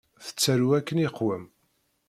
Tettaru akken iqwem.